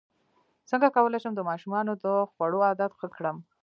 څنګه کولی شم د ماشومانو د خوړو عادت ښه کړم